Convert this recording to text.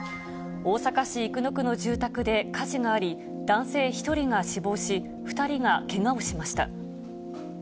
大阪市生野区の住宅で火事があり、男性１人が死亡し、２人がけがをしました。